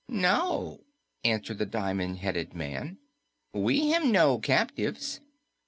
"No," answered the diamond headed man. "We have no captives.